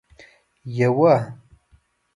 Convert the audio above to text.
یوه